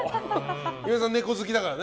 岩井さん、猫好きだからね。